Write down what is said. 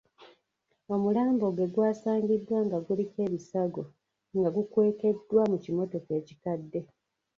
Omulambo gwe gwasangiddwa nga guliko ebisago nga gukwekeddwa mu kimotoka ekikadde.